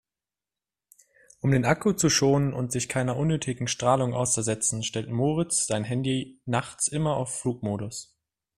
Um den Akku zu schonen und sich keiner unnötigen Strahlung auszusetzen, stellt Moritz sein Handy nachts immer auf Flugmodus.